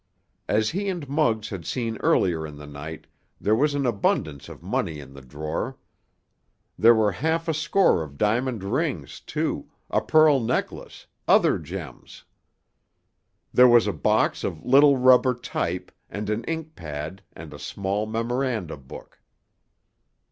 As he and Muggs had seen earlier in the night, there was an abundance of money in the drawer. There were half a score of diamond rings, too, a pearl necklace, other gems. There was a box of little rubber type and an ink pad and a small memoranda book.